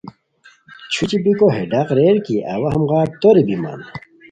چھوچی بیکو ہے ڈاق ریر کی اوا ہموغار توری بیمان